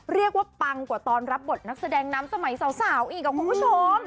เรียกว่าปังกว่าตอนรับบทนักแสดงนามสมัยสาวอีกกับคุณผู้ชม